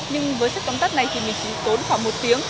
nhưng với sách tóm tắt này thì mình chỉ tốn khoảng một tiếng